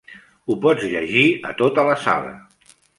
Ho pots llegir a tota la sala.